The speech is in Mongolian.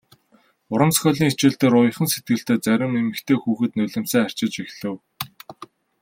Уран зохиолын хичээл дээр уяхан сэтгэлтэй зарим эмэгтэй хүүхэд нулимсаа арчиж эхлэв.